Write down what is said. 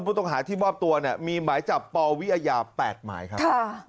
ผู้ต้องหาที่บอบตัวมีหมายจับปอวิยา๘หมายครับ